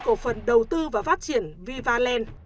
cổ phần đầu tư và phát triển viva land